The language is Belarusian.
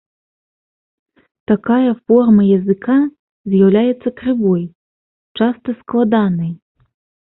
Такая форма языка з'яўляецца крывой, часта складанай.